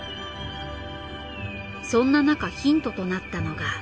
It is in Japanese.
そんななかヒントとなったのが。